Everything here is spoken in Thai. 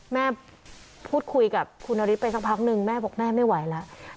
แม่พูดคุยกับคุณนฤทธิไปสักพักนึงแม่บอกแม่ไม่ไหวแล้ว